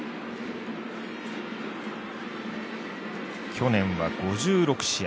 去年は５６試合。